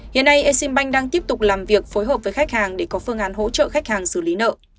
hiện nay exim bank đang tiếp tục làm việc phối hợp với khách hàng để có phương án hỗ trợ khách hàng xử lý nợ